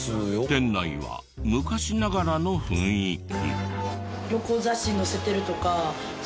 店内は昔ながらの雰囲気。